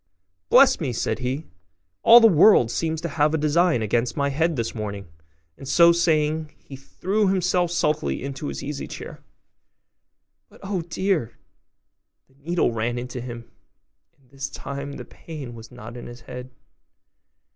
'Bless me!' said he, 'all the world seems to have a design against my head this morning': and so saying, he threw himself sulkily into his easy chair; but, oh dear! the needle ran into him; and this time the pain was not in his head.